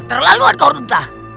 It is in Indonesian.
keterlaluan kau ruta